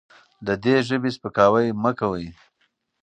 د دې ژبې سپکاوی مه کوئ.